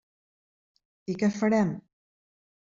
I què farem?